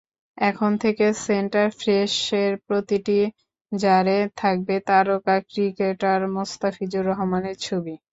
এখন থেকে সেন্টার ফ্রেশ-এর প্রতিটি জারে থাকবে তারকা ক্রিকেটার মুস্তাফিজুর রহমানের ছবি।